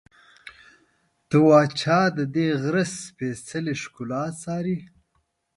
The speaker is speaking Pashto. ته وا چې ددې غره سپېڅلې ښکلا څاري.